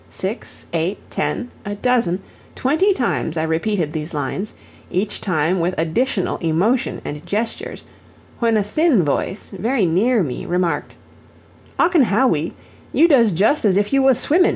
Six eight ten a dozen twenty times I repeated these lines, each time with additional emotion and gestures, when a thin voice, very near me, remarked: "Ocken Hawwy, you does djust as if you was swimmin'."